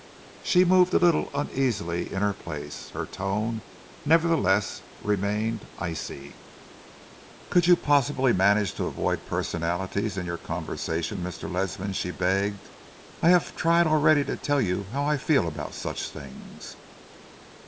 She moved a little uneasily in her place. Her tone, nevertheless, remained icy. "Could you possibly manage to avoid personalities in your conversation, Mr. Ledsam?" she begged. "I have tried already to tell you how I feel about such things."